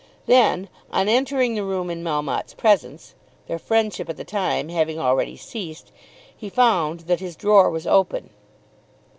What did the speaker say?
Then, on entering the room in Melmotte's presence, their friendship at the time having already ceased, he found that his drawer was open.